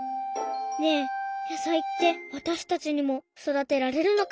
ねえ野さいってわたしたちにもそだてられるのかな？